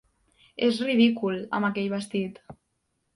És ridícul amb aquell vestit.